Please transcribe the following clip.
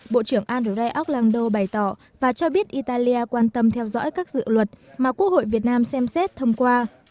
bộ trưởng andrei aucklanddo bày tỏ và cho biết italia quan tâm theo dõi các dự luật mà quốc hội việt nam xem xét thông qua